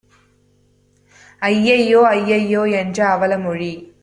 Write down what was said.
ஐயையோ! ஐயையோ! என்ற அவலமொழி